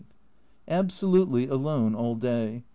Absolutely alone all day.